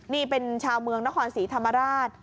นี่เป็นชาวเมืองนครศรีธรรมราช